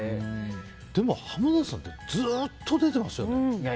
でも、濱田さんってずっと出てますよね。